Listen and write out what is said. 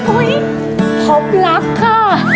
โอ้ยพบลับค่ะ